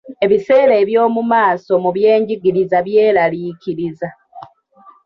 Ebiseera eby'omu maaso mu byenjigiriza byeraliikiriza.